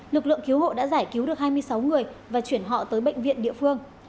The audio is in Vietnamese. lực lượng cứu hộ đã giải cứu được hai mươi sáu người và chuyển họ tới bệnh viện địa phương